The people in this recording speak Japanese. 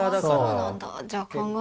そうなんだ。